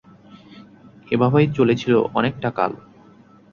এভাবেই চলেছিল অনেকটা কাল।